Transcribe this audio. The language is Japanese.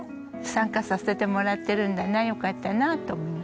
参加させてもらってるんだなよかったなと思いますね。